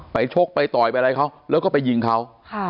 ชกไปต่อยไปอะไรเขาแล้วก็ไปยิงเขา